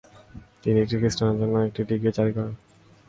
তিনি একটি খ্রিষ্টানদের জন্য একটি ডিক্রি জারি করেন।